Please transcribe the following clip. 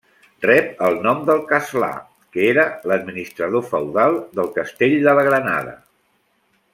Rep el nom del castlà, que era l'administrador feudal del castell de la Granada.